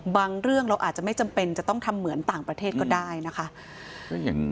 เรื่องเราอาจจะไม่จำเป็นจะต้องทำเหมือนต่างประเทศก็ได้นะคะ